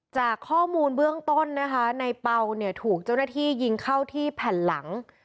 จากข้อมูลเบื้องต้นนะคะในเปล่าเนี่ยถูกเจ้าหน้าที่ยิงเข้าที่แผ่นหลัง